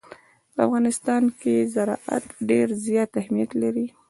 په افغانستان کې زراعت ډېر زیات اهمیت لري.